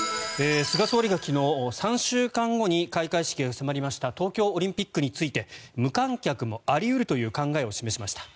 菅総理が昨日３週間後に開会式が迫りました東京オリンピックについて無観客もあり得るという考えを示しました。